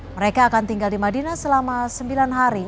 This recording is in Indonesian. mereka akan tinggal di madinah selama sembilan hari